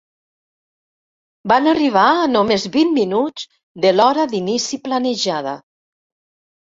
Van arribar a només vint minuts de l'hora d'inici planejada.